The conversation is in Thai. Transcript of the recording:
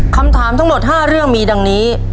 คำถามทั้งหมด๕เรื่องมีดังนี้